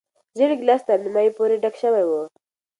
زېړ ګیلاس تر نیمايي پورې ډک شوی و.